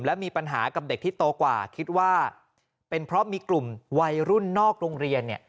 และมีปัญหากับเด็กที่โตกว่าคิดว่าเป็นเพราะมีกลุ่มวัยรุ่นนอกโรงเรียนเนี่ย